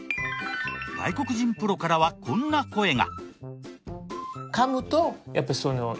外国人プロからはこんな声が。